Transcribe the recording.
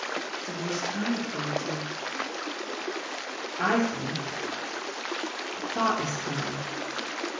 It's the worst kind of cruelty, I think the thoughtless kind.